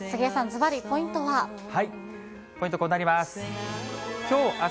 ポイント、こうなります。